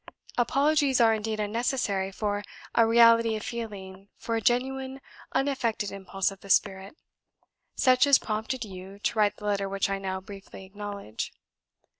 "Apologies are indeed unnecessary for a 'reality of feeling, for a genuine unaffected impulse of the spirit,' such as prompted you to write the letter which I now briefly acknowledge.